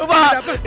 apa yang ada